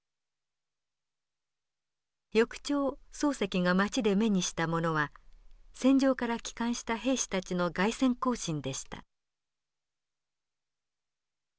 翌朝漱石が街で目にしたものは戦場から帰還した兵士たちの凱旋行進でした。